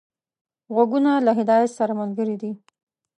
غوږونه له هدایت سره ملګري دي